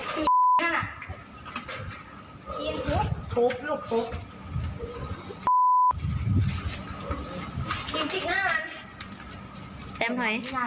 ตีมทำยังไงก็ได้ตามมา